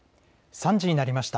３時になりました。